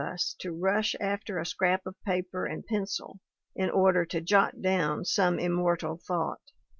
WATTS 181 to rush after a scrap of paper and pencil in order to 'jot down* some immortal thought.